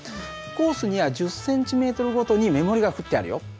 コースには１０ｃｍごとに目盛りが振ってあるよ。